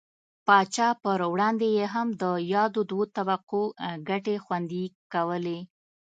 پاچا پر وړاندې یې هم د یادو دوو طبقو ګټې خوندي کولې.